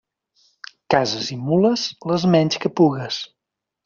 Cases i mules, les menys que pugues.